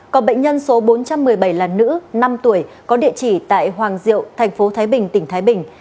còn bệnh nhân số bốn trăm một mươi bảy là nữ năm tuổi có địa chỉ tại hoàng diệu thành phố thái bình tỉnh thái bình